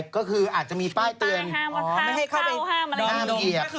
ก็คืออาจจะมีป้ายเตือนไม่ให้เข้าไปห้ามเหยียบ